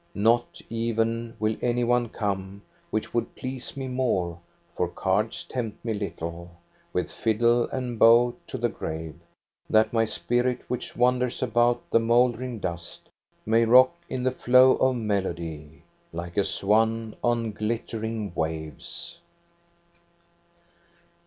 Not even will any one come, which would please me more, — for cards tempt me little, — with fiddle and bow to the grave, that my spirit, which wanders about the mouldering dust, may rock in the flow of melody like a swan on glittering waves.